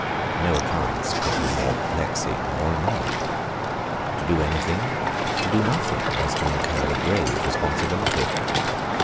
No occurrence could be more perplexing or annoying. To do anything, to do nothing, was to incur a grave responsibility.